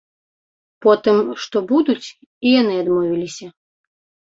Потым, што будуць, і яны адмовіліся.